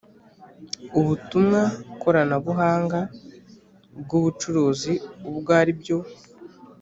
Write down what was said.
ubutumwa koranabuhanga bw ubucuruzi ubwo ari byo